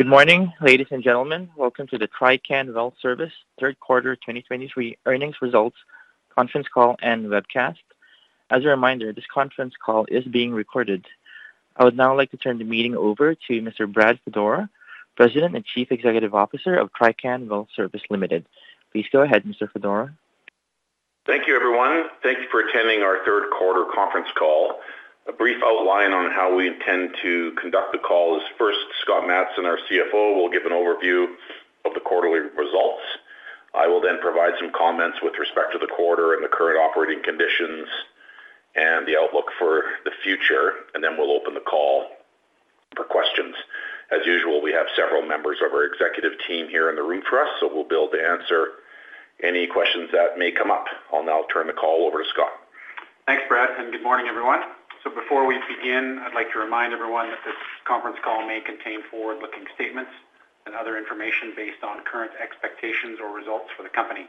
Good morning, ladies and gentlemen. Welcome to the Trican Well Service third quarter 2023 earnings results conference call and webcast. As a reminder, this conference call is being recorded. I would now like to turn the meeting over to Mr. Brad Fedora, President and Chief Executive Officer of Trican Well Service Limited. Please go ahead, Mr. Fedora. Thank you, everyone. Thank you for attending our third quarter conference call. A brief outline on how we intend to conduct the call is, first, Scott Matson, our CFO, will give an overview of the quarterly results. I will then provide some comments with respect to the quarter and the current operating conditions and the outlook for the future, and then we'll open the call for questions. As usual, we have several members of our executive team here in the room for us, so we'll be able to answer any questions that may come up. I'll now turn the call over to Scott. Thanks, Brad, and good morning, everyone. Before we begin, I'd like to remind everyone that this conference call may contain forward-looking statements and other information based on current expectations or results for the company.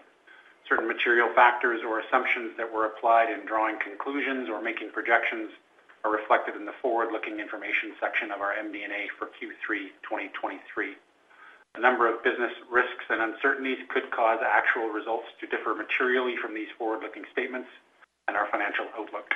Certain material factors or assumptions that were applied in drawing conclusions or making projections are reflected in the forward-looking information section of our MD&A for Q3 2023. A number of business risks and uncertainties could cause actual results to differ materially from these forward-looking statements and our financial outlook.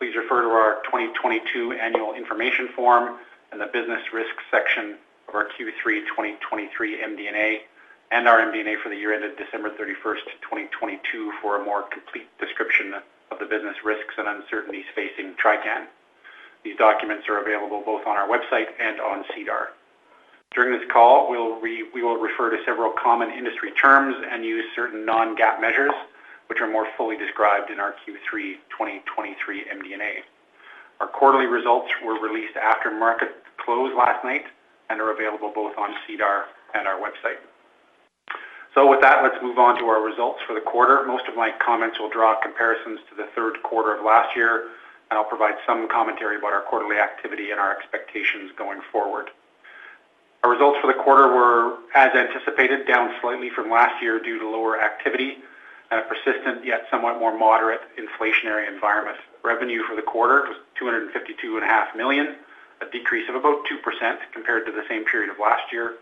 Please refer to our 2022 annual information form and the business risk section of our Q3 2023 MD&A and our MD&A for the year ended December thirty-first, 2022 for a more complete description of the business risks and uncertainties facing Trican. These documents are available both on our website and on SEDAR. During this call, we will refer to several common industry terms and use certain non-GAAP measures, which are more fully described in our Q3 2023 MD&A. Our quarterly results were released after market close last night and are available both on SEDAR and our website. So with that, let's move on to our results for the quarter. Most of my comments will draw comparisons to the third quarter of last year, and I'll provide some commentary about our quarterly activity and our expectations going forward. Our results for the quarter were, as anticipated, down slightly from last year due to lower activity and a persistent, yet somewhat more moderate inflationary environment. Revenue for the quarter was 252.5 million, a decrease of about 2% compared to the same period of last year.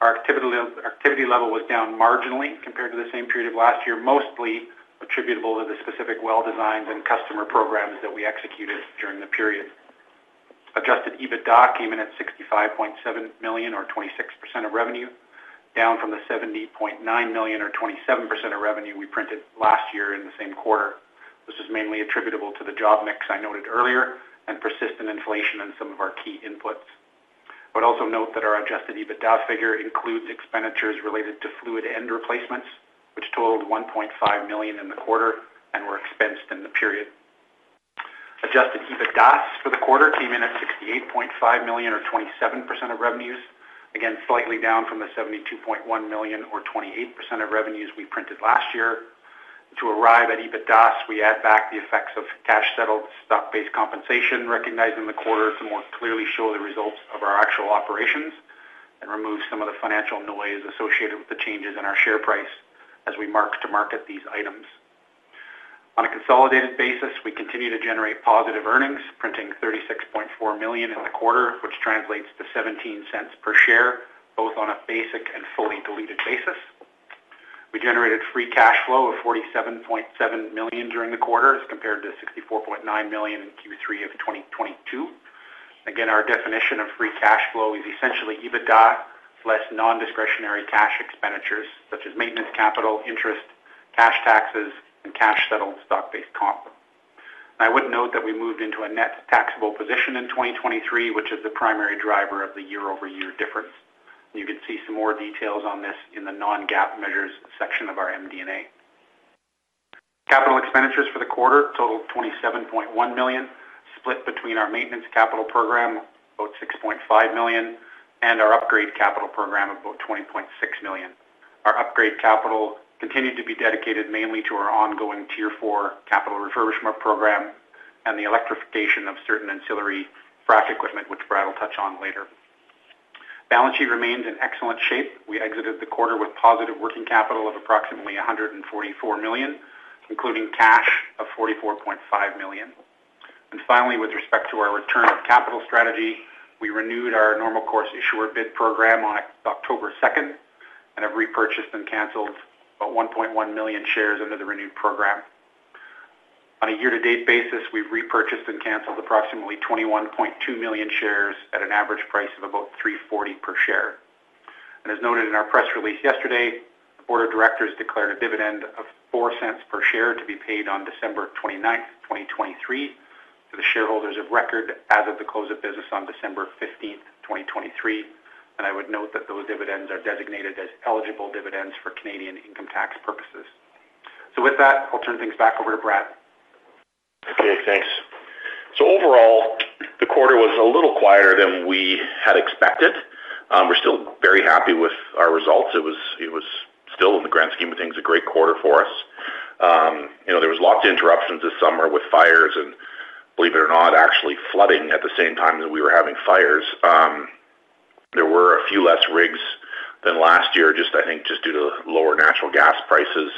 Our activity, activity level was down marginally compared to the same period of last year, mostly attributable to the specific well designs and customer programs that we executed during the period. Adjusted EBITDA came in at 65.7 million, or 26% of revenue, down from the 70.9 million or 27% of revenue we printed last year in the same quarter. This is mainly attributable to the job mix I noted earlier and persistent inflation in some of our key inputs. But also note that our adjusted EBITDA figure includes expenditures related to fluid end replacements, which totaled 1.5 million in the quarter and were expensed in the period. Adjusted EBITDAS for the quarter came in at 68.5 million, or 27% of revenues, again, slightly down from the 72.1 million, or 28% of revenues we printed last year. To arrive at EBITDAS, we add back the effects of cash-settled stock-based compensation recognized in the quarter to more clearly show the results of our actual operations and remove some of the financial noise associated with the changes in our share price as we mark to market these items. On a consolidated basis, we continue to generate positive earnings, printing 36.4 million in the quarter, which translates to 0.17 per share, both on a basic and fully diluted basis. We generated free cash flow of 47.7 million during the quarter, as compared to 64.9 million in Q3 of 2022. Again, our definition of free cash flow is essentially EBITDA less non-discretionary cash expenditures such as maintenance, capital, interest, cash taxes, and cash-settled stock-based comp. I would note that we moved into a net taxable position in 2023, which is the primary driver of the year-over-year difference. You can see some more details on this in the non-GAAP measures section of our MD&A. Capital expenditures for the quarter totaled 27.1 million, split between our maintenance capital program, about 6.5 million, and our upgrade capital program of about 20.6 million. Our upgrade capital continued to be dedicated mainly to our ongoing Tier 4 capital refurbishment program and the electrification of certain ancillary frac equipment, which Brad will touch on later. Balance sheet remains in excellent shape. We exited the quarter with positive working capital of approximately 144 million, including cash of 44.5 million. Finally, with respect to our return of capital strategy, we renewed our Normal Course Issuer Bid program on October 2 and have repurchased and canceled about 1.1 million shares under the renewed program. On a year-to-date basis, we've repurchased and canceled approximately 21.2 million shares at an average price of about 3.40 per share. As noted in our press release yesterday, the board of directors declared a dividend of 0.04 per share to be paid on December 29, 2023, to the shareholders of record as of the close of business on December 15, 2023, and I would note that those dividends are designated as eligible dividends for Canadian income tax purposes. With that, I'll turn things back over to Brad. Okay, thanks. So overall, the quarter was a little quieter than we had expected. We're still very happy with our results. It was, it was still, in the grand scheme of things, a great quarter for us. You know, there was lots of interruptions this summer with fires, and believe it or not, actually flooding at the same time that we were having fires. There were fewer than last year, just I think, just due to lower natural gas prices.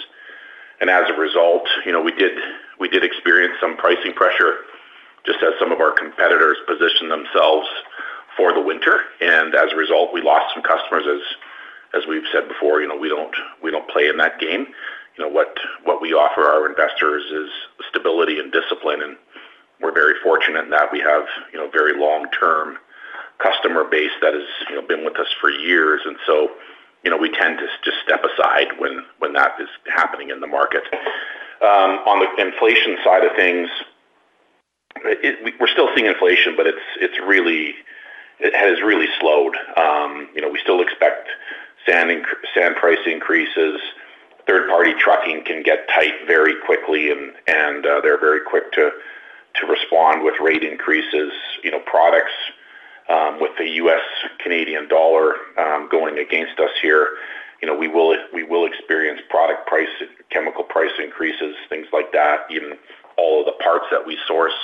And as a result, you know, we did, we did experience some pricing pressure just as some of our competitors positioned themselves for the winter, and as a result, we lost some customers. As, as we've said before, you know, we don't, we don't play in that game. You know, what, what we offer our investors is stability and discipline, and we're very fortunate in that we have, you know, a very long-term customer base that has, you know, been with us for years. And so, you know, we tend to just step aside when, when that is happening in the market. On the inflation side of things, it, we're still seeing inflation, but it's, it's really. It has really slowed. You know, we still expect sand price increases. Third-party trucking can get tight very quickly, and, and, they're very quick to, to respond with rate increases. You know, products, with the U.S. Canadian dollar, going against us here, you know, we will, we will experience product price, chemical price increases, things like that. Even all of the parts that we source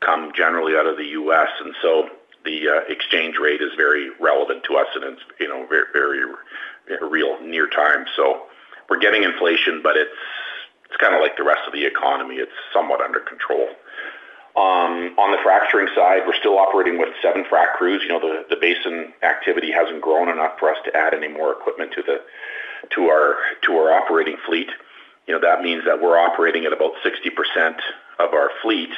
come generally out of the U.S., and so the exchange rate is very relevant to us, and it's, you know, very, very real near time. So we're getting inflation, but it's, it's kind of like the rest of the economy. It's somewhat under control. On the fracturing side, we're still operating with seven frac crews. You know, the basin activity hasn't grown enough for us to add any more equipment to the, to our, to our operating fleet. You know, that means that we're operating at about 60% of our fleet,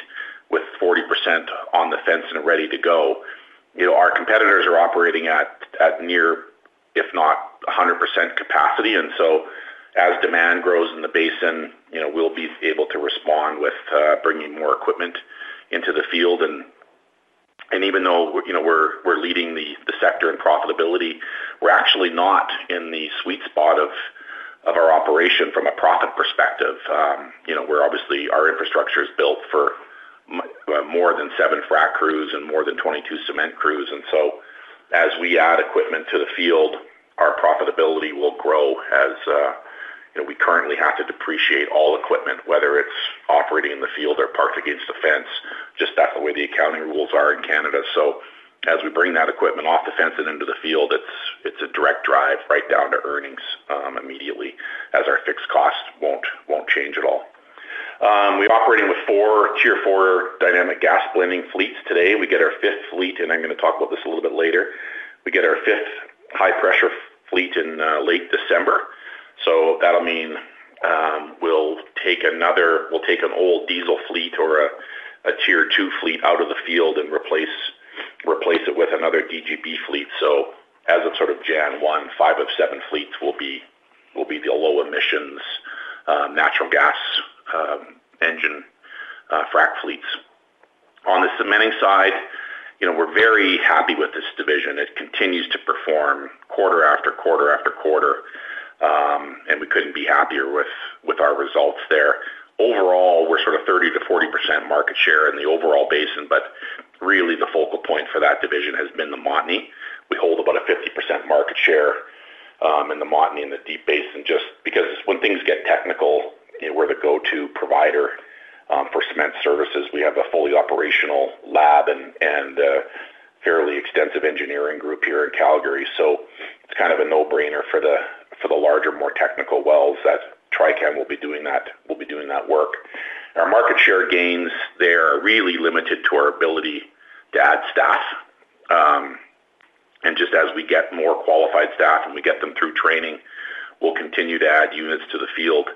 with 40% on the fence and ready to go. You know, our competitors are operating at near, if not 100% capacity, and so as demand grows in the basin, you know, we'll be able to respond with bringing more equipment into the field. And even though, you know, we're leading the sector in profitability, we're actually not in the sweet spot of our operation from a profit perspective. You know, we're obviously, our infrastructure is built for more than 7 frac crews and more than 22 cement crews. And so as we add equipment to the field, our profitability will grow as, you know, we currently have to depreciate all equipment, whether it's operating in the field or parked against the fence, just that's the way the accounting rules are in Canada. So as we bring that equipment off the fence and into the field, it's a direct drive right down to earnings immediately, as our fixed costs won't change at all. We're operating with 4 Tier 4 Dynamic Gas Blending fleets today. We get our fifth fleet, and I'm gonna talk about this a little bit later. We get our fifth high-pressure fleet in late December, so that'll mean we'll take another old diesel fleet or a Tier 2 fleet out of the field and replace it with another DGB fleet. So as of sort of Jan. 1, 5 of 7 fleets will be the low-emissions natural gas engine frac fleets. On the cementing side, you know, we're very happy with this division. It continues to perform quarter after quarter after quarter, and we couldn't be happier with our results there. Overall, we're sort of 30%-40% market share in the overall basin, but really, the focal point for that division has been the Montney. We hold about a 50% market share in the Montney, in the Deep Basin, just because when things get technical, you know, we're the go-to provider for cement services. We have a fully operational lab and a fairly extensive engineering group here in Calgary. So it's kind of a no-brainer for the larger, more technical wells that Trican will be doing that work. Our market share gains, they're really limited to our ability to add staff. And just as we get more qualified staff and we get them through training, we'll continue to add units to the field.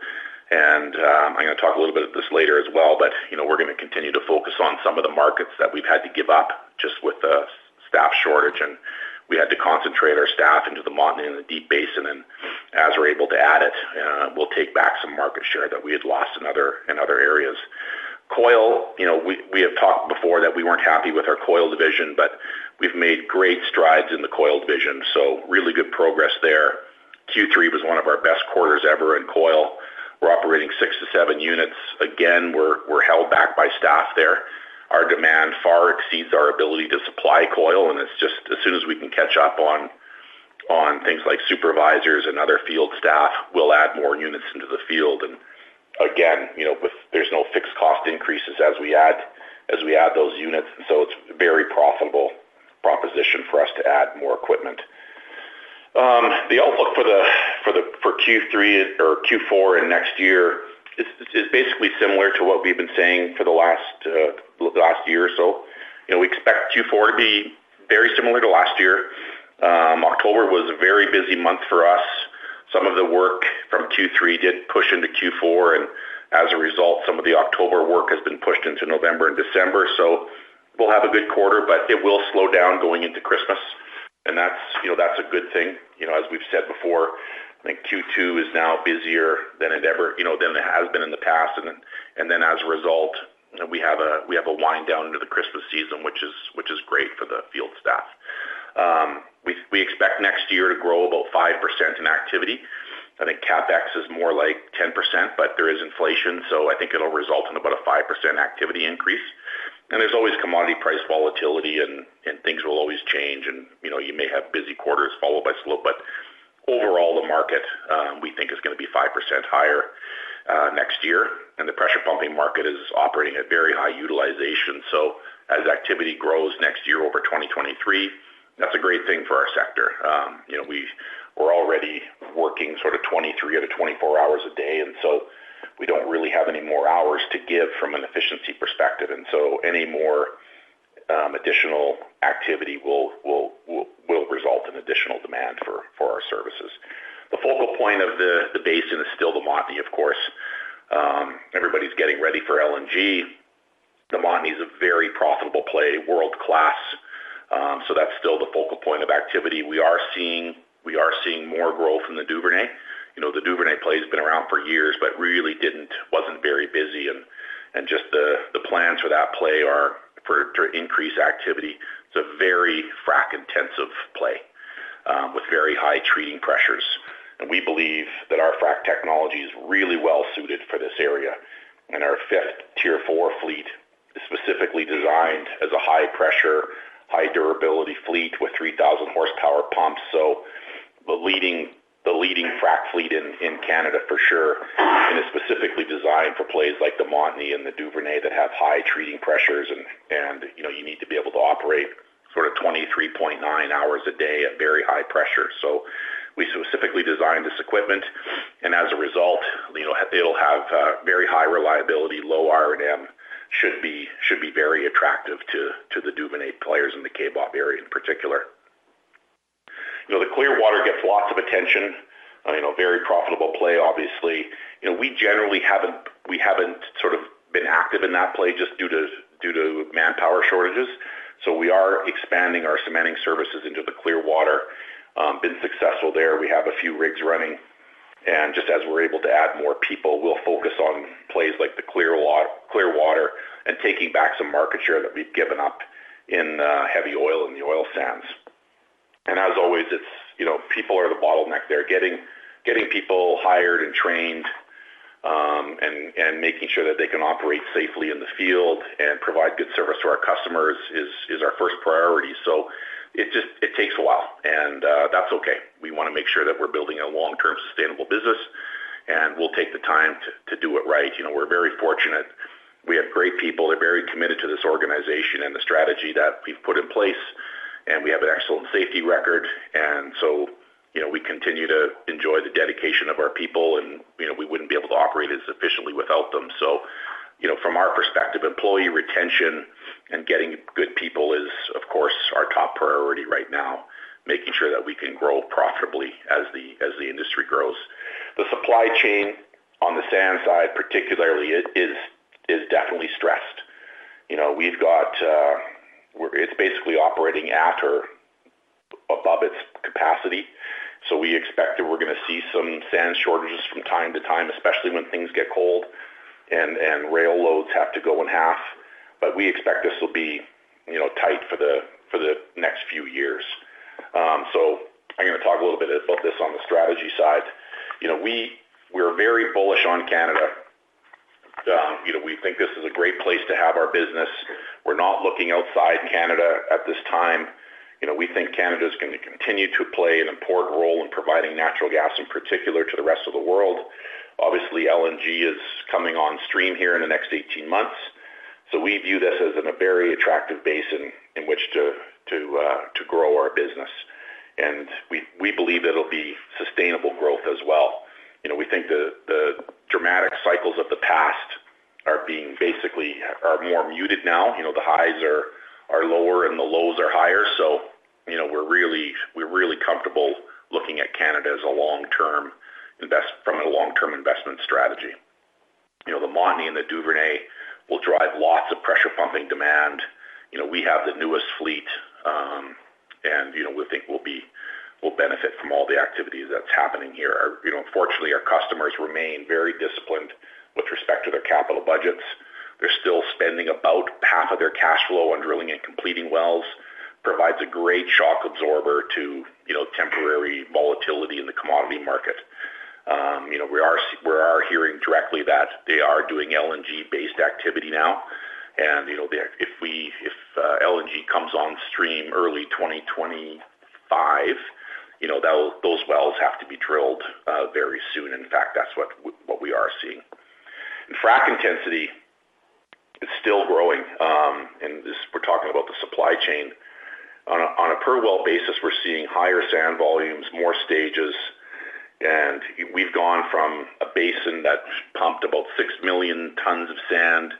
And, I'm gonna talk a little bit of this later as well, but, you know, we're gonna continue to focus on some of the markets that we've had to give up just with the staff shortage, and we had to concentrate our staff into the Montney and the Deep Basin. And as we're able to add it, we'll take back some market share that we had lost in other areas. Coil, you know, we, we have talked before that we weren't happy with our coil division, but we've made great strides in the coil division, so really good progress there. Q3 was one of our best quarters ever in coil. We're operating 6-7 units. Again, we're held back by staff there. Our demand far exceeds our ability to supply coil, and it's just as soon as we can catch up on things like supervisors and other field staff, we'll add more units into the field. And again, you know, there's no fixed cost increases as we add those units, so it's very profitable proposition for us to add more equipment. The outlook for Q3 or Q4 and next year is basically similar to what we've been saying for the last year or so. You know, we expect Q4 to be very similar to last year. October was a very busy month for us. Some of the work from Q3 did push into Q4, and as a result, some of the October work has been pushed into November and December. So we'll have a good quarter, but it will slow down going into Christmas, and that's, you know, that's a good thing. You know, as we've said before, I think Q2 is now busier than it ever, you know, than it has been in the past. And then as a result, we have a wind down into the Christmas season, which is great for the field staff. We expect next year to grow about 5% in activity. I think CapEx is more like 10%, but there is inflation, so I think it'll result in about a 5% activity increase. And there's always commodity price volatility and things will always change. You know, you may have busy quarters followed by slow, but overall, the market, we think is gonna be 5% higher next year, and the pressure pumping market is operating at very high utilization. So as activity grows next year over 2023, that's a great thing for our sector. You know, we're already working sort of 23-24 hours a day, and so we don't really have any more hours to give from an efficiency perspective, and so any more additional activity will result in additional demand for our services. The focal point of the basin is still the Montney, of course. Everybody's getting ready for LNG. The Montney is a very profitable play, world-class, so that's still the focal point of activity. We are seeing more growth in the Duvernay. You know, the Duvernay play has been around for years, but really didn't, wasn't very busy, and just the plans for that play are for to increase activity. It's a very frac-intensive play with very high treating pressures, and we believe that our frac technology is really well suited for this area. And our fifth Tier 4 fleet is specifically designed as a high-pressure, high-durability fleet with 3,000 horsepower pumps. So the leading frac fleet in Canada, for sure, and is specifically designed for plays like the Montney and the Duvernay that have high treating pressures and you know, you need to be able to operate sort of 23.9 hours a day at very high pressure. So we specifically designed this equipment, and as a result, you know, it'll have very high reliability, low R&M. Should be very attractive to the Duvernay players in the Kaybob area in particular. You know, the Clearwater gets lots of attention, you know, very profitable play, obviously. You know, we generally haven't sort of been active in that play just due to manpower shortages. So we are expanding our cementing services into the Clearwater. Been successful there. We have a few rigs running, and just as we're able to add more people, we'll focus on plays like the Clearwater and taking back some market share that we've given up in heavy oil in the oil sands. And as always, it's, you know, people are the bottleneck there. Getting people hired and trained, and making sure that they can operate safely in the field and provide good service to our customers is our first priority. So it just, it takes a while, and, that's okay. We wanna make sure that we're building a long-term, sustainable business, and we'll take the time to, to do it right. You know, we're very fortunate. We have great people. They're very committed to this organization and the strategy that we've put in place, and we have an excellent safety record. And so, you know, we continue to enjoy the dedication of our people, and, you know, we wouldn't be able to operate as efficiently without them. So, you know, from our perspective, employee retention and getting good people is, of course, our top priority right now, making sure that we can grow profitably as the, as the industry grows. The supply chain on the sand side, particularly, is, is definitely stressed. You know, we've got. It's basically operating at or above its capacity, so we expect that we're gonna see some sand shortages from time to time, especially when things get cold and rail loads have to go in half. But we expect this will be, you know, tight for the next few years. So I'm gonna talk a little bit about this on the strategy side. You know, we're very bullish on Canada. You know, we think this is a great place to have our business. We're not looking outside Canada at this time. You know, we think Canada is going to continue to play an important role in providing natural gas, in particular, to the rest of the world. Obviously, LNG is coming on stream here in the next 18 months, so we view this as a very attractive basin in which to, to, to grow our business, and we, we believe it'll be sustainable growth as well. You know, we think the, the dramatic cycles of the past are being basically, are more muted now. You know, the highs are, are lower and the lows are higher. So, you know, we're really, we're really comfortable looking at Canada as a long-term investment strategy. You know, the Montney and the Duvernay will drive lots of pressure pumping demand. You know, we have the newest fleet, and, you know, we think we'll be, we'll benefit from all the activity that's happening here. You know, unfortunately, our customers remain very disciplined with respect to their capital budgets. They're still spending about half of their cash flow on drilling and completing wells. Provides a great shock absorber to, you know, temporary volatility in the commodity market. You know, we are hearing directly that they are doing LNG-based activity now. And, you know, if we, if LNG comes on stream early 2025, you know, those wells have to be drilled very soon. In fact, that's what we are seeing. In frac intensity, it's still growing, and this, we're talking about the supply chain. On a per well basis, we're seeing higher sand volumes, more stages, and we've gone from a basin that pumped about 6 million tons of sand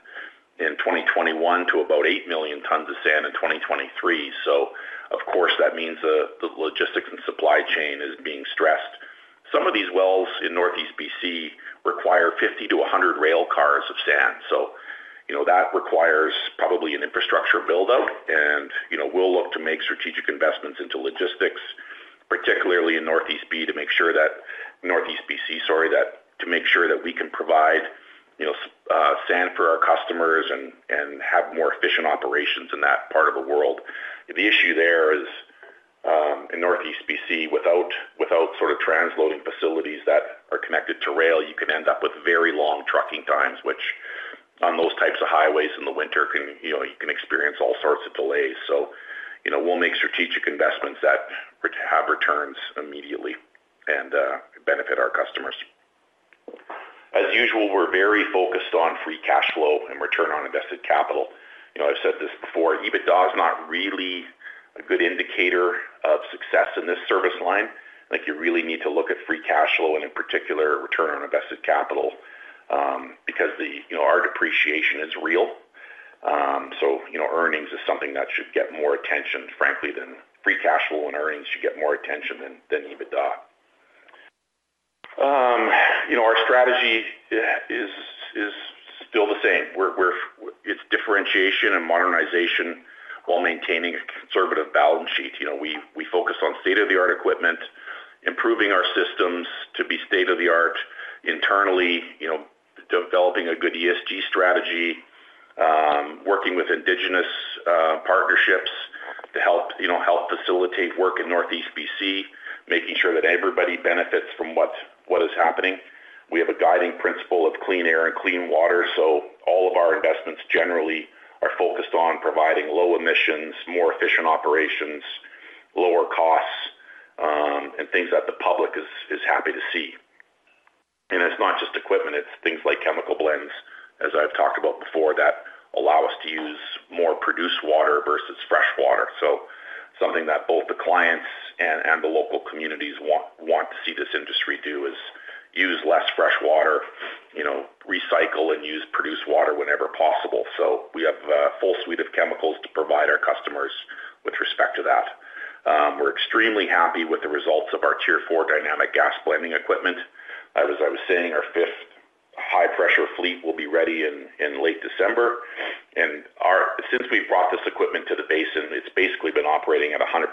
in 2021 to about 8 million tons of sand in 2023. So of course, that means the logistics and supply chain is being stressed. Some of these wells in Northeast BC require 50-100 rail cars of sand. So, you know, that requires probably an infrastructure build-out, and, you know, we'll look to make strategic investments into logistics, particularly in Northeast B, to make sure that, Northeast BC, sorry, that to make sure that we can provide, you know, sand for our customers and, and have more efficient operations in that part of the world. The issue there is, in Northeast BC, without, without sort of transloading facilities that are connected to rail, you can end up with very long trucking times, which, on those types of highways in the winter, can, you know, you can experience all sorts of delays. So, you know, we'll make strategic investments that have returns immediately and, benefit our customers. As usual, we're very focused on free cash flow and return on invested capital. You know, I've said this before, EBITDA is not really a good indicator of success in this service line. Like, you really need to look at free cash flow and in particular, return on invested capital, because you know, our depreciation is real. So, you know, earnings is something that should get more attention, frankly, than free cash flow, and earnings should get more attention than EBITDA. You know, our strategy is still the same. It is differentiation and modernization while maintaining a conservative balance sheet. You know, we focus on state-of-the-art equipment, improving our systems to be state-of-the-art internally, you know, developing a good ESG strategy, working with Indigenous partnerships to help, you know, help facilitate work in Northeast BC, making sure that everybody benefits from what is happening. We have a guiding principle of clean air and clean water, so all of our investments generally are focused on providing low emissions, more efficient operations, lower costs, and things that the public is happy to see. And it's not just equipment, it's things like chemical blends, as I've talked about before, that allow us to use more produced water versus fresh water. So something that both the clients and the local communities want to see this industry do is use less fresh water, you know, recycle and use produced water whenever possible. So we have a full suite of chemicals to provide our customers with respect to that. We're extremely happy with the results of our Tier 4 Dynamic Gas Blending equipment. As I was saying, our fifth high-pressure fleet will be ready in late December, and since we've brought this equipment to the basin, it's basically been operating at 100%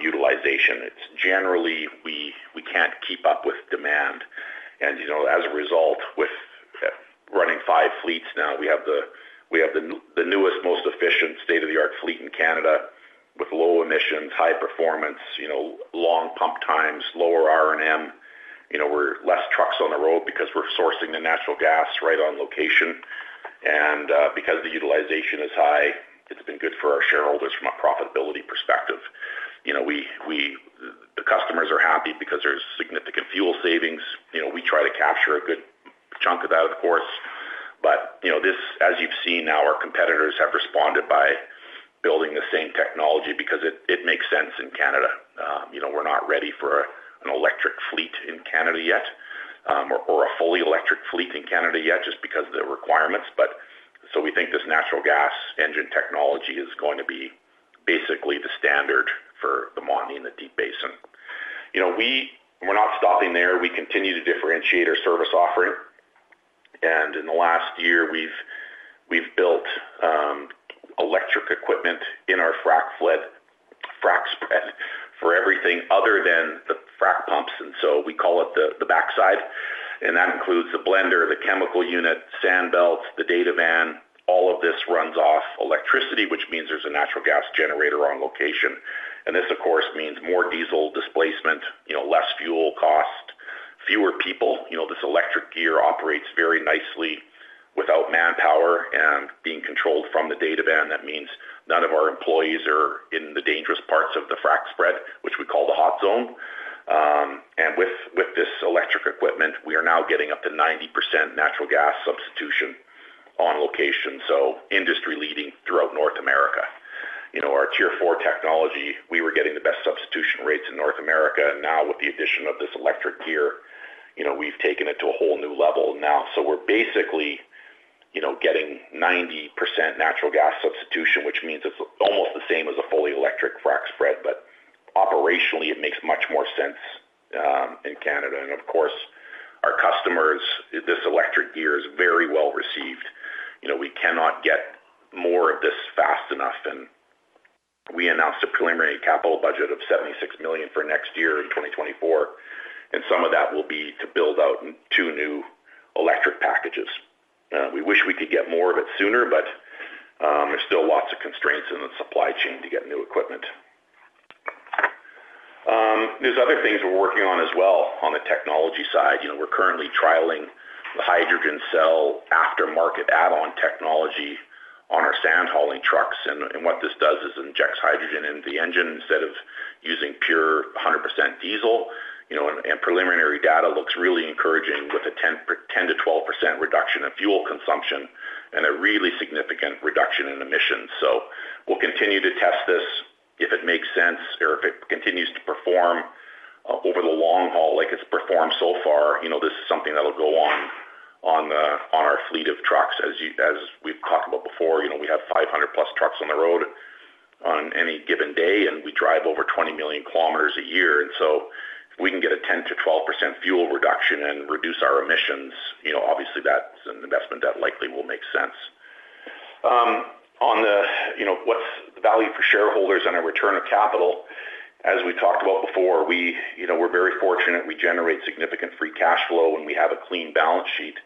utilization. It's generally we can't keep up with demand. And, you know, as a result, with running five fleets now, we have the newest, most efficient state-of-the-art fleet in Canada, with low emissions, high performance, you know, long pump times, lower R&M. You know, we're less trucks on the road because we're sourcing the natural gas right on location. And because the utilization is high, it's been good for our shareholders from a profitability perspective. You know, we, the customers are happy because there's significant fuel savings. You know, we try to capture a good chunk of that, of course, but, you know, this, as you've seen, now, our competitors have responded by building the same technology because it makes sense in Canada. You know, we're not ready for an electric fleet in Canada yet, or a fully electric fleet in Canada yet, just because of the requirements. But so we think this natural gas engine technology is going to be basically the standard for the Montney and the Deep Basin. You know, we, we're not stopping there. We continue to differentiate our service offering, and in the last year, we've built electric equipment in our frac fleet, frac spread for everything other than the frac pumps, and so we call it the backside. And that includes the blender, the chemical unit, sand belts, the data van. All of this runs off electricity, which means there's a natural gas generator on location. And this, of course, means more diesel displacement, you know, less fuel cost, fewer people. You know, this electric gear operates very nicely without manpower and being controlled from the data van. That means none of our employees are in the dangerous parts of the frack spread, which we call the hot zone. And with this electric equipment, we are now getting up to 90% natural gas substitution on location, so industry-leading throughout North America. You know, our Tier 4 technology, we were getting the best substitution rates in North America. Now, with the addition of this electric gear, you know, we've taken it to a whole new level now. So we're basically, you know, getting 90% natural gas substitution, which means it's almost the same as a fully electric frac spread, but operationally it makes much more sense in Canada. And of course, our customers, this electric gear is very well received. You know, we cannot get more of this fast enough. And we announced a preliminary capital budget of 76 million for next year in 2024, and some of that will be to build out two new electric packages. We wish we could get more of it sooner, but there's still lots of constraints in the supply chain to get new equipment. There's other things we're working on as well on the technology side. You know, we're currently trialing the hydrogen cell aftermarket add-on technology on our sand hauling trucks, and what this does is injects hydrogen into the engine instead of using pure 100% diesel. You know, and preliminary data looks really encouraging with a 10%-12% reduction in fuel consumption and a really significant reduction in emissions. So we'll continue to test this if it makes sense or if it continues to perform over the long haul, like it's performed so far. You know, this is something that'll go on our fleet of trucks. As we've talked about before, you know, we have 500+ trucks on the road on any given day, and we drive over 20 million kilometers a year. And so if we can get a 10%-12% fuel reduction and reduce our emissions, you know, obviously that's an investment that likely will make sense. On the, you know, what's the value for shareholders and a return of capital, as we talked about before, we, you know, we're very fortunate. We generate significant Free Cash Flow, and we have a clean balance sheet.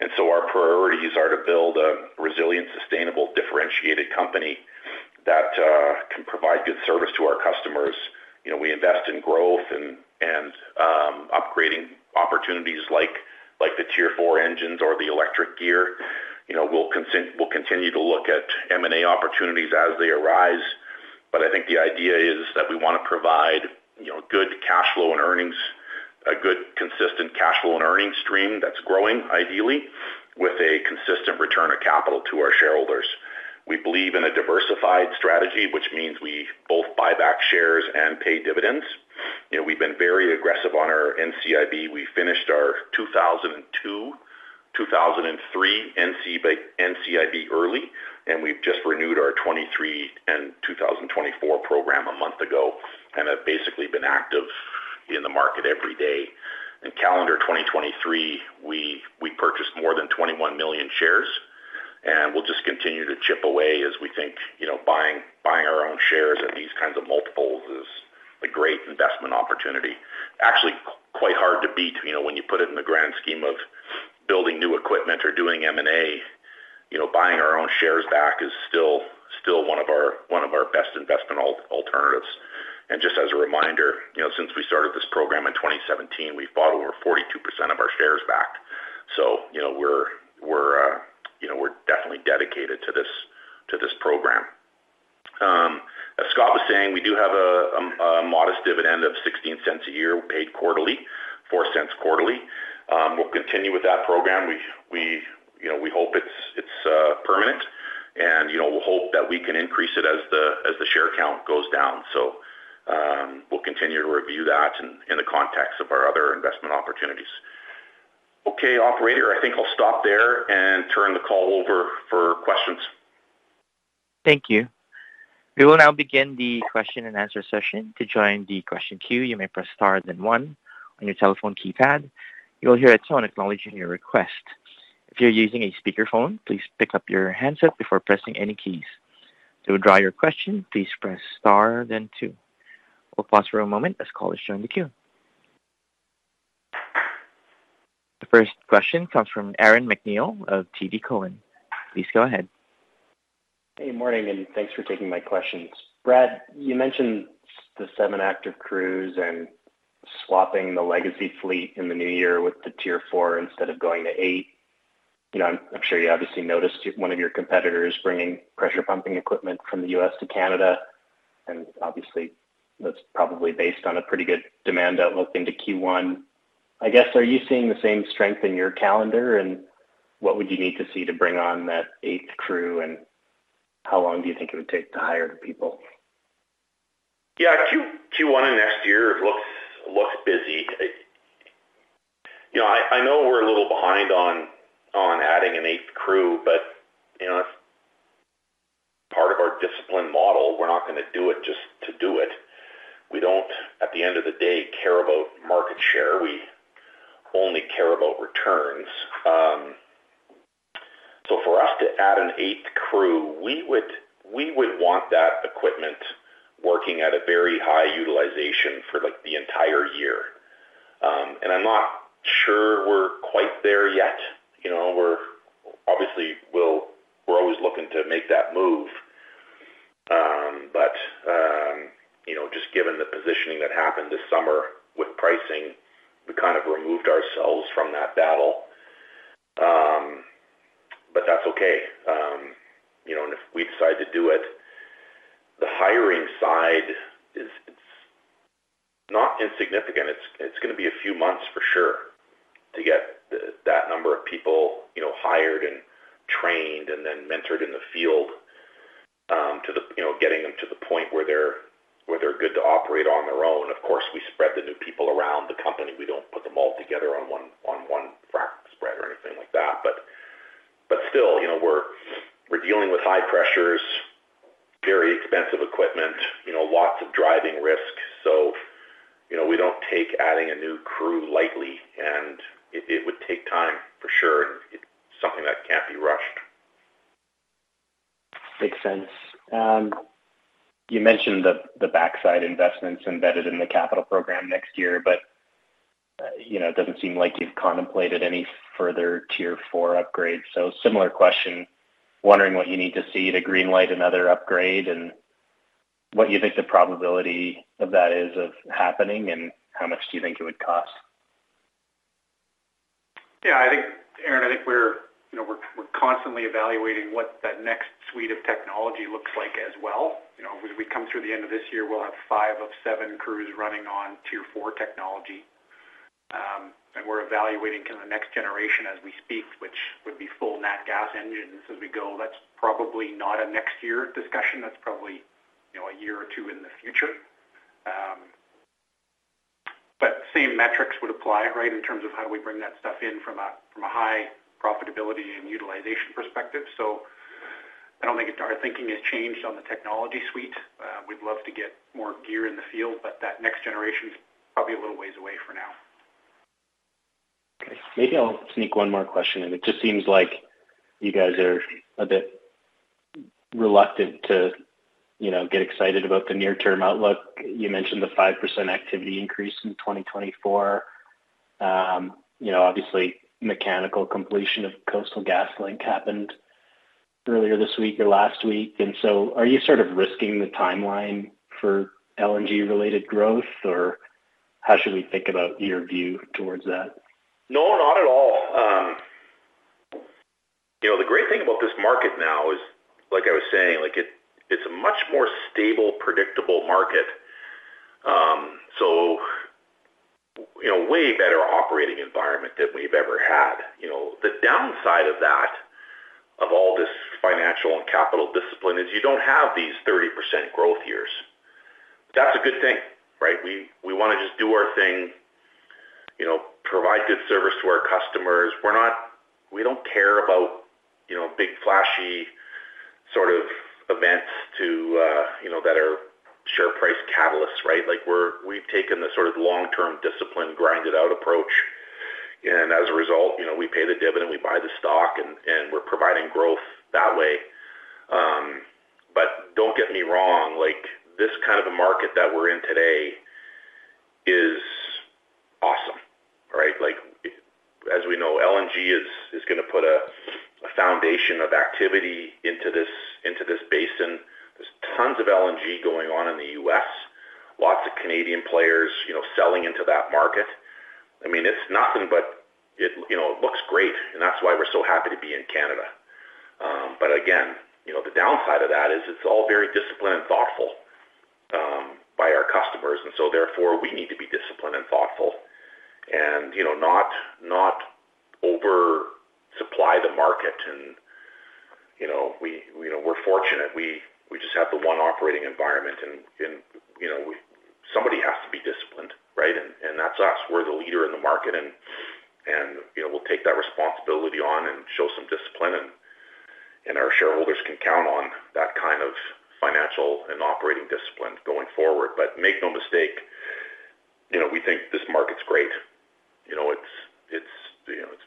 And so our priorities are to build a resilient, sustainable, differentiated company that can provide good service to our customers. You know, we invest in growth and upgrading opportunities like the Tier 4 engines or the electric gear. You know, we'll continue to look at M&A opportunities as they arise. But I think the idea is that we want to provide, you know, good cash flow and earnings, a good, consistent cash flow and earnings stream that's growing, ideally, with a consistent return of capital to our shareholders. We believe in a diversified strategy, which means we both buy back shares and pay dividends. You know, we've been very aggressive on our NCIB. We finished our 2022-2023 NCIB early, and we've just renewed our 2023 and 2024 program a month ago, and have basically been active in the market every day. In calendar 2023, we purchased more than 21 million shares, and we'll just continue to chip away as we think, you know, buying our own shares at these kinds of multiples is a great investment opportunity. Actually, quite hard to beat, you know, when you put it in the grand scheme of building new equipment or doing M&A. You know, buying our own shares back is still one of our best investment alternatives. And just as a reminder, you know, since we started this program in 2017, we've bought over 42% of our shares back. So, you know, we're definitely dedicated to this program. As Scott was saying, we do have a modest dividend of 0.16 a year, paid quarterly, 0.04 quarterly. We'll continue with that program. We, you know, we hope it's permanent, and, you know, we'll hope that we can increase it as the share count goes down. So, we'll continue to review that in the context of our other investment opportunities. Okay, operator, I think I'll stop there and turn the call over for questions. Thank you. We will now begin the question-and-answer session. To join the question queue, you may press Star, then one on your telephone keypad. You will hear a tone acknowledging your request. If you're using a speakerphone, please pick up your handset before pressing any keys. To withdraw your question, please press Star, then two. We'll pause for a moment as callers join the queue. The first question comes from Aaron MacNeil of TD Cowen. Please go ahead. Hey, morning, and thanks for taking my questions. Brad, you mentioned the 7 active crews and swapping the legacy fleet in the new year with the Tier 4 instead of going to 8. You know, I'm, I'm sure you obviously noticed one of your competitors bringing pressure pumping equipment from the U.S. to Canada, and obviously, that's probably based on a pretty good demand outlook into Q1. I guess, are you seeing the same strength in your calendar, and what would you need to see to bring on that eighth crew, and how long do you think it would take to hire the people? Yeah, Q1 of next year looks busy. You know, I know we're a little behind on adding an eighth crew, but you know, as part of our discipline model, we're not gonna do it just to do it. We don't, at the end of the day, care about market share. We only care about returns. So for us to add an eighth crew, we would want that equipment working at a very high utilization for, like, the entire year. And I'm not sure we're quite there yet. You know, we're obviously always looking to make that move. But you know, just given the positioning that happened this summer with pricing, we kind of removed ourselves from that battle. But that's okay. You know, and if we decide to do it, the hiring side is, it's not insignificant. It's, it's gonna be a few months for sure to get the, that number of people, you know, hired and trained and then mentored in the field, to the, you know, getting them to the point where they're, where they're good to operate on their own. Of course, we spread the new people around the company. We don't put them all together on one frac spread or anything like that. But still, you know, we're dealing with high pressures, very expensive equipment, you know, lots of driving risk. So, you know, we don't take adding a new crew lightly, and it would take time, for sure. It's something that can't be rushed. Makes sense. You mentioned the backside investments embedded in the capital program next year, but, you know, it doesn't seem like you've contemplated any further Tier 4 upgrades. So similar question, wondering what you need to see to green light another upgrade, and what you think the probability of that is of happening, and how much do you think it would cost? Yeah, I think, Aaron, I think we're, you know, we're constantly evaluating what that next suite of technology looks like as well. You know, as we come through the end of this year, we'll have five of seven crews running on Tier 4 technology. And we're evaluating kind of the next generation as we speak, which would be full nat gas engines as we go. That's probably not a next year discussion. That's probably, you know, a year or two in the future. But same metrics would apply, right, in terms of how do we bring that stuff in from a, from a high profitability and utilization perspective. So I don't think our thinking has changed on the technology suite. We'd love to get more gear in the field, but that next generation is probably a little ways away for now. Okay. Maybe I'll sneak one more question in. It just seems like you guys are a bit reluctant to, you know, get excited about the near-term outlook. You mentioned the 5% activity increase in 2024. You know, obviously, mechanical completion of Coastal GasLink happened earlier this week or last week, and so are you sort of risking the timeline for LNG related growth, or how should we think about your view towards that? No, not at all. You know, the great thing about this market now is, like I was saying, like it, it's a much more stable, predictable market. So, you know, way better operating environment than we've ever had. You know, the downside of that, of all this financial and capital discipline is you don't have these 30% growth years. That's a good thing, right? We wanna just do our thing, you know, provide good service to our customers. We're not. We don't care about, you know, big, flashy sort of events to, you know, better share price catalysts, right? Like, we've taken the sort of long-term discipline, grind-it-out approach, and as a result, you know, we pay the dividend, we buy the stock, and we're providing growth that way. But don't get me wrong, like, this kind of a market that we're in today is awesome, right? Like, as we know, LNG is, is gonna put a, a foundation of activity into this, into this basin. There's tons of LNG going on in the U.S. Lots of Canadian players, you know, selling into that market. I mean, it's nothing, but it, you know, it looks great, and that's why we're so happy to be in Canada. But again, you know, the downside of that is it's all very disciplined and thoughtful by our customers, and so therefore, we need to be disciplined and thoughtful and, you know, not, not oversupply the market. And, you know, we, you know, we're fortunate. We, we just have the one operating environment, and, and, you know, we, somebody has to be disciplined, right? And, and that's us. We're the leader in the market and, you know, we'll take that responsibility on and show some discipline, and our shareholders can count on that kind of financial and operating discipline going forward. But make no mistake, you know, we think this market's great. You know, it's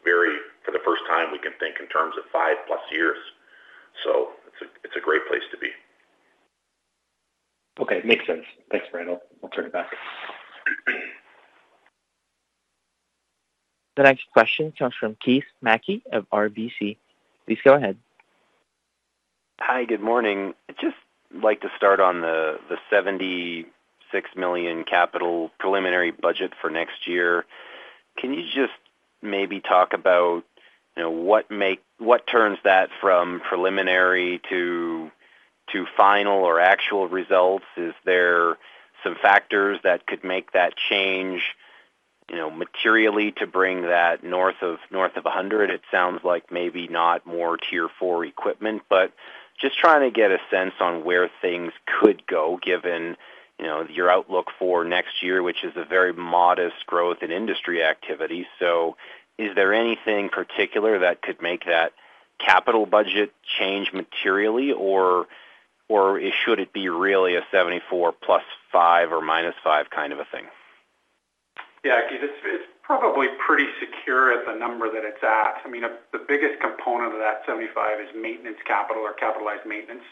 very. For the first time, we can think in terms of five plus years, so it's a great place to be. Okay, makes sense. Thanks, Brad. I'll, I'll turn it back. The next question comes from Keith Mackey of RBC. Please go ahead. Hi, good morning. I'd just like to start on the 76 million preliminary capital budget for next year. Can you just maybe talk about, you know, what turns that from preliminary to final or actual results? Is there some factors that could make that change, you know, materially to bring that north of 100 million? It sounds like maybe not more Tier 4 equipment, but just trying to get a sense on where things could go, given, you know, your outlook for next year, which is a very modest growth in industry activity. So is there anything particular that could make that capital budget change materially, or should it be really a 74 +5 or -5 kind of a thing? Yeah, Keith, it's probably pretty secure as a number that it's at. I mean, the biggest component of that 75 is maintenance capital or capitalized maintenance.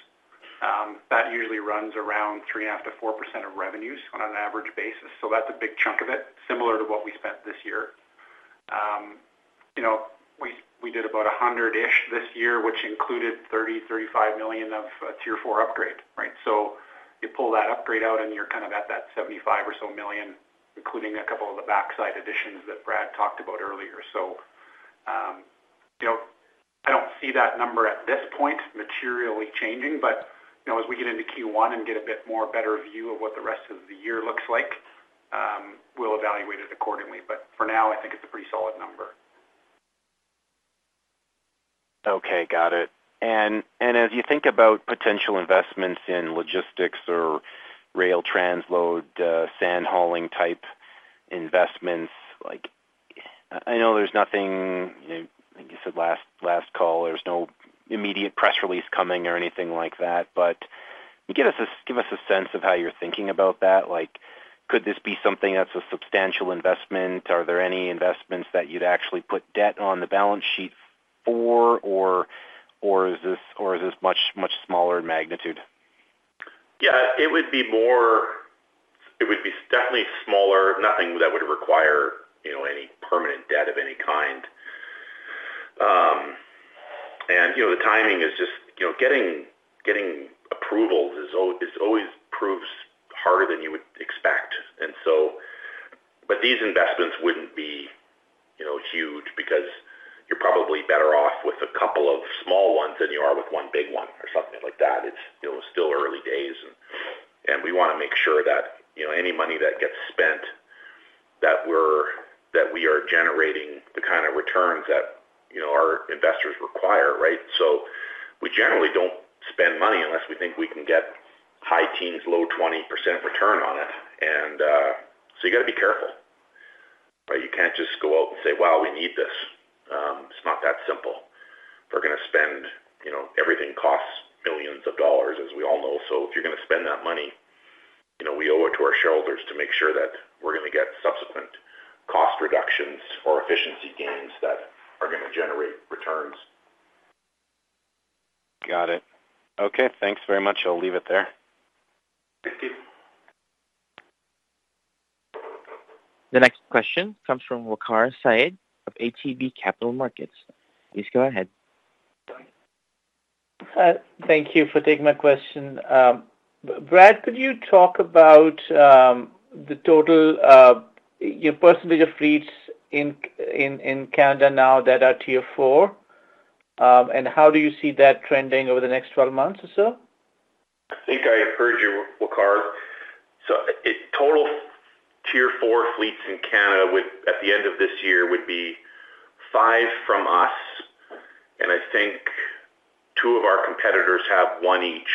That usually runs around 3.5%-4% of revenues on an average basis, so that's a big chunk of it, similar to what we spent this year. You know, we did about 100-ish this year, which included 30-35 million of Tier 4 upgrade, right? So you pull that upgrade out, and you're kind of at that 75 or so million, including a couple of the backside additions that Brad talked about earlier. So, you know, I don't see that number at this point materially changing, but, you know, as we get into Q1 and get a bit more better view of what the rest of the year looks like, we'll evaluate it accordingly. But for now, I think it's a pretty solid number. Okay, got it. And as you think about potential investments in logistics or rail transload, sand hauling type investments, like, I know there's nothing, you know, like you said last call, there's no immediate press release coming or anything like that. But give us a sense of how you're thinking about that. Like, could this be something that's a substantial investment? Are there any investments that you'd actually put debt on the balance sheet for, or is this much smaller in magnitude? Yeah, it would be more. It would be definitely smaller. Nothing that would require, you know, any permanent debt of any kind. And, you know, the timing is just, you know, getting approvals is always proves harder than you would expect. But these investments wouldn't be, you know, huge because you're probably better off with a couple of small ones than you are with one big one or something like that. It's, you know, still early days, and we wanna make sure that, you know, any money that gets spent, that we are generating the kind of returns that, you know, our investors require, right? So we generally don't spend money unless we think we can get high teens, low 20% return on it. And, so you gotta be careful, but you can't just go out and say, "Wow, we need this." It's not that simple. We're gonna spend, you know, everything costs billions dollars, as we all know. So if you're gonna spend that money, you know, we owe it to our shareholders to make sure that we're gonna get subsequent cost reductions or efficiency gains that are gonna generate returns. Got it. Okay, thanks very much. I'll leave it there. Thank you. The next question comes from Waqar Syed of ATB Capital Markets. Please go ahead. Thank you for taking my question. Brad, could you talk about the total, your percentage of fleets in Canada now that are Tier 4? And how do you see that trending over the next 12 months or so? I think I heard you, Waqar. So it, total Tier 4 fleets in Canada would, at the end of this year, would be 5 from us, and I think two of our competitors have 1 each.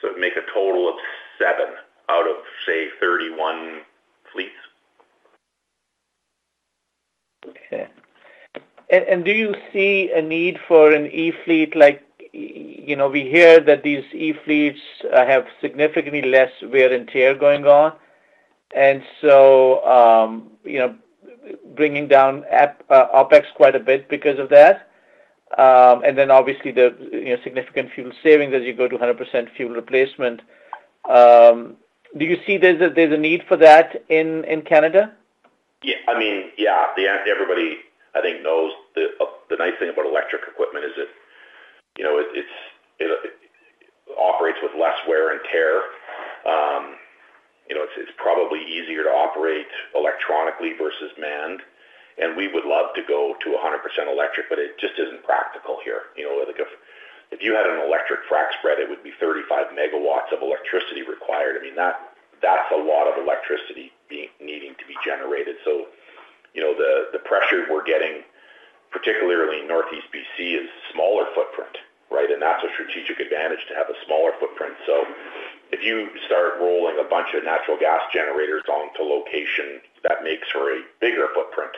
So it'd make a total of 7 out of, say, 31 fleets. Okay. Do you see a need for an E-fleet? Like, you know, we hear that these E-fleets have significantly less wear and tear going on, and so, you know, bringing down OpEx quite a bit because of that. And then obviously, the, you know, significant fuel savings as you go to 100% fuel replacement. Do you see there's a need for that in Canada? Yeah. I mean, yeah, that everybody I think knows the nice thing about electric equipment is it, you know, it, it's, it operates with less wear and tear. You know, it's, it's probably easier to operate electronically versus manned, and we would love to go to 100% electric, but it just isn't practical here. You know, like, if you had an electric frac spread, it would be 35 megawatts of electricity required. I mean, that's a lot of electricity being needed to be generated. So, you know, the pressure we're getting, particularly in Northeast BC, is smaller footprint, right? And that's a strategic advantage to have a smaller footprint. So if you start rolling a bunch of natural gas generators onto location, that makes for a bigger footprint.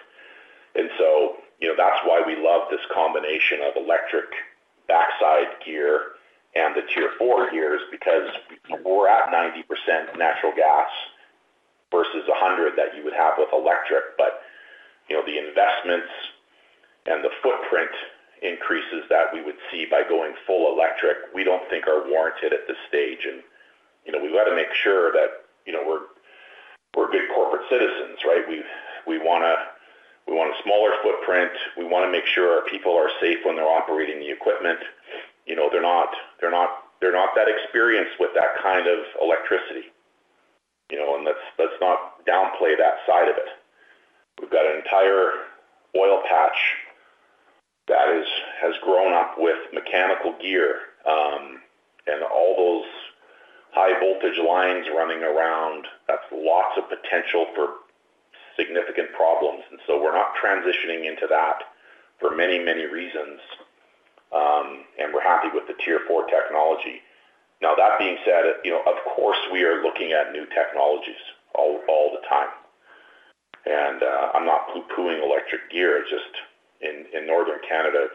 So, you know, that's why we love this combination of electric backside gear and the Tier 4 gears, because we're at 90% natural gas versus 100% that you would have with electric. But, you know, the investments and the footprint increases that we would see by going full electric, we don't think are warranted at this stage. You know, we've got to make sure that, you know, we're good corporate citizens, right? We want a smaller footprint. We want to make sure our people are safe when they're operating the equipment. You know, they're not that experienced with that kind of electricity, you know, and let's not downplay that side of it. We've got an entire oil patch that has grown up with mechanical gear, and all those high voltage lines running around, that's lots of potential for significant problems, and so we're not transitioning into that for many, many reasons, and we're happy with the Tier 4 technology. Now, that being said, you know, of course, we are looking at new technologies all the time. And, I'm not poo-pooing electric gear, just in northern Canada,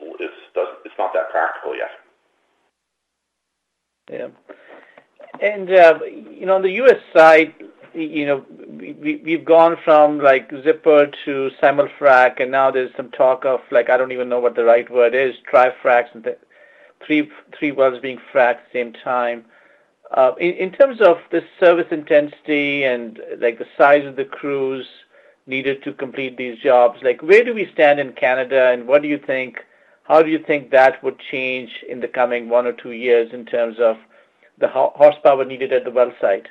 it's not that practical yet. Yeah. You know, on the U.S. side, you know, we've gone from, like, zipper frac to simul-frac, and now there's some talk of like, I don't even know what the right word is, tri-fract, the three wells being fracked at the same time. In terms of the service intensity and, like, the size of the crews needed to complete these jobs, like, where do we stand in Canada, and what do you think, how do you think that would change in the coming one or two years in terms of the horsepower needed at the well site?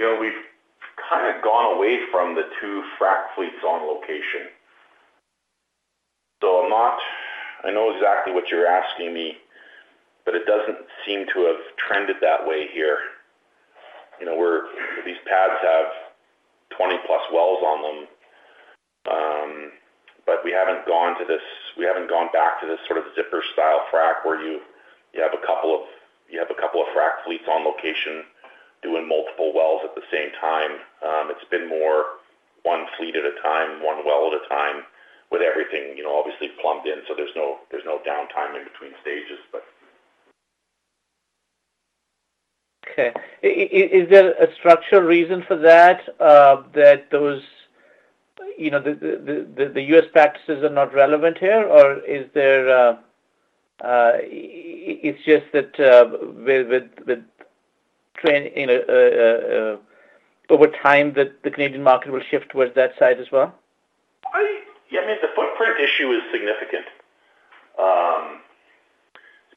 You know, we've kind of gone away from the two frac fleets on location. So I'm not. I know exactly what you're asking me, but it doesn't seem to have trended that way here. You know, we're, these pads have 20-plus wells on them, but we haven't gone to this, we haven't gone back to this sort of zipper-style frac, where you, you have a couple of, you have a couple of frac fleets on location doing multiple wells at the same time. It's been more one fleet at a time, one well at a time, with everything, you know, obviously plumbed in, so there's no, there's no downtime in between stages, but. Okay. Is there a structural reason for that, you know, the US practices are not relevant here? Or is there, it's just that, with trend, you know, over time, the Canadian market will shift towards that side as well? Yeah, I mean, the footprint issue is significant,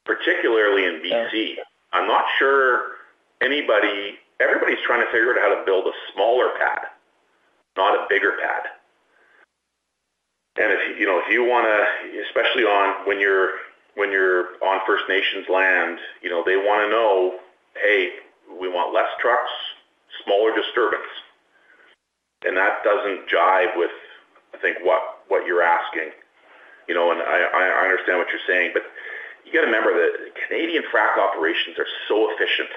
particularly in BC. Yeah. I'm not sure anybody, everybody's trying to figure out how to build a smaller pad, not a bigger pad. And if, you know, if you wanna. Especially on when you're, when you're on First Nations land, you know, they wanna know, "Hey, we want less trucks, smaller disturbance," and that doesn't jive with, I think, what, what you're asking. You know, and I, I, I understand what you're saying, but you gotta remember that Canadian frac operations are so efficient.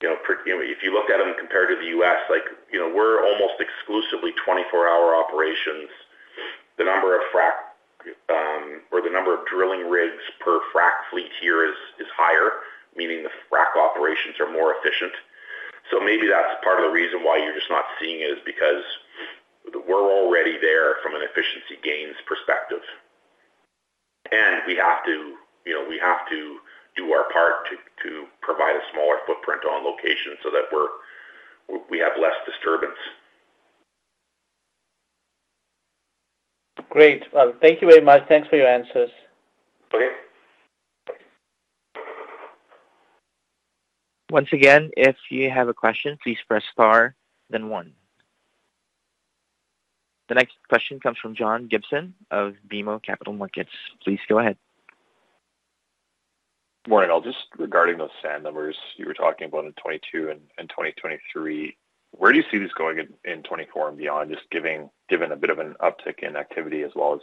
You know, per. If you look at them compared to the U.S., like, you know, we're almost exclusively 24-hour operations. The number of frac, or the number of drilling rigs per frac fleet here is, is higher, meaning the frac operations are more efficient. So maybe that's part of the reason why you're just not seeing it, is because we're already there from an efficiency gains perspective. You know, we have to do our part to provide a smaller footprint on location so that we have less disturbance. Great. Well, thank you very much. Thanks for your answers. Okay. Once again, if you have a question, please press star, then one. The next question comes from John Gibson of BMO Capital Markets. Please go ahead. Morning, all. Just regarding those sand numbers you were talking about in 2022 and 2023, where do you see this going in 2024 and beyond, given a bit of an uptick in activity as well as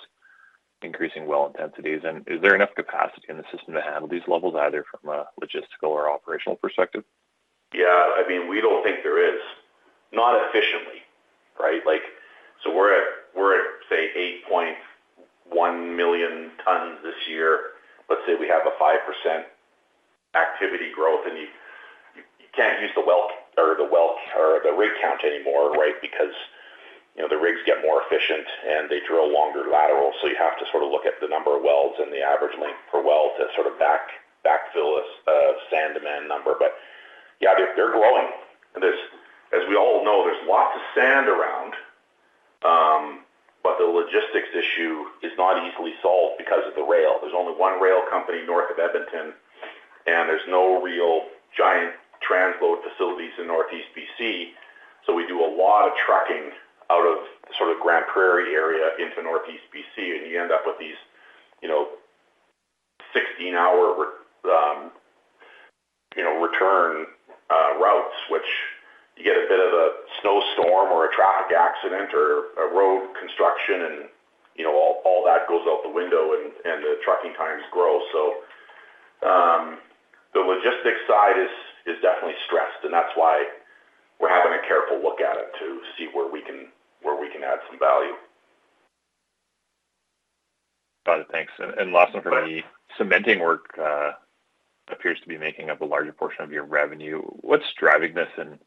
increasing well intensities? Is there enough capacity in the system to handle these levels, either from a logistical or operational perspective? Yeah, I mean, we don't think there is. Not efficiently, right? Like, so we're at, say, 8.1 million tons this year. Let's say we have a 5% activity growth, and you can't use the well count or the rig count anymore, right? Because, you know, the rigs get more efficient, and they drill longer lateral. So you have to sort of look at the number of wells and the average length per well to sort of backfill a sand demand number. But yeah, they're growing. And there's, as we all know, there's lots of sand around, but the logistics issue is not easily solved because of the rail. There's only one rail company north of Edmonton, and there's no real giant transload facilities in Northeast BC, so we do a lot of trucking out of sort of Grande Prairie area into Northeast BC, and you end up with these, you know, 16-hour return routes, which you get a bit of a snowstorm or a traffic accident or a road construction and, you know, all that goes out the window, and the trucking times grow. So, the logistics side is definitely stressed, and that's why we're having a careful look at it to see where we can add some value. Got it. Thanks. And last one for me. Cementing work appears to be making up a larger portion of your revenue. What's driving this, and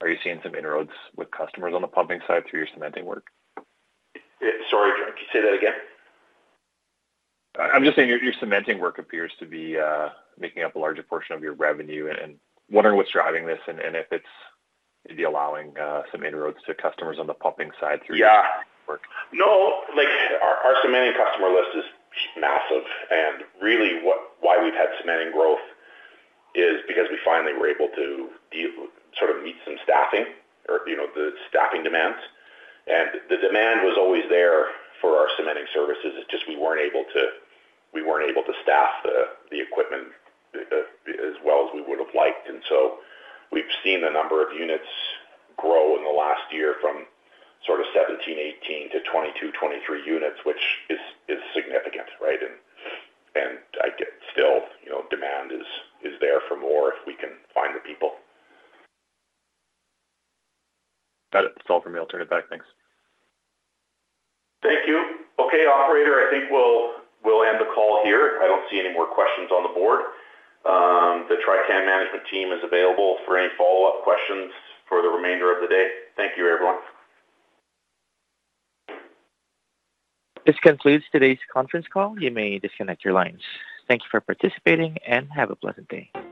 are you seeing some inroads with customers on the pumping side through your cementing work? Sorry, John, could you say that again? I'm just saying your cementing work appears to be making up a larger portion of your revenue and wondering what's driving this, and if it's allowing some inroads to customers on the pumping side through your Yeah. Work. No, like, our, our cementing customer list is massive, and really, why we've had cementing growth is because we finally were able to deal, sort of, meet some staffing or, you know, the staffing demands. And the demand was always there for our cementing services. It's just we weren't able to, we weren't able to staff the, the equipment, as well as we would have liked. And so we've seen the number of units grow in the last year from sort of 17-18 to 22-23 units, which is, is significant, right? And, and I get still, you know, demand is, is there for more if we can find the people. Got it. That's all for me. I'll turn it back. Thanks. Thank you. Okay, operator, I think we'll end the call here. I don't see any more questions on the board. The Trican management team is available for any follow-up questions for the remainder of the day. Thank you, everyone. This concludes today's conference call. You may disconnect your lines. Thank you for participating, and have a pleasant day.